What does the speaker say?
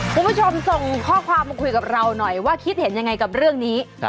คุณผู้ชมส่งข้อความมาคุยกับเราหน่อยว่าคิดเห็นยังไงกับเรื่องนี้